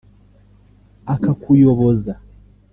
akakuyoboza